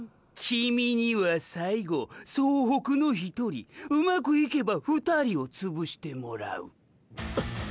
キミィには最後総北の１人うまくいけば２人を潰してもらう。